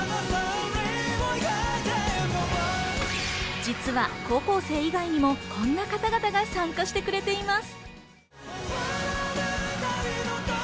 実は高校生以外にもこんな方々が参加してくれています。